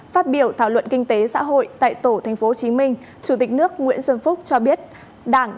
phát biểu thảo luận kinh tế xã hội tại tổ tp hcm chủ tịch nước nguyễn xuân phúc cho biết đảng